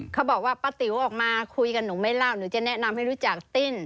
เขาบอกว่าป้าติ๋วออกมาคุยกันหนูไม่เล่าหนูจะแนะนำให้รู้จักติ้น